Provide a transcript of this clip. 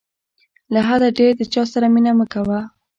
له حده ډېر د چاسره مینه مه کوه.